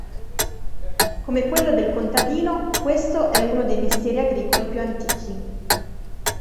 Come quello del contadino, questo è uno dei mestieri agricoli più antichi.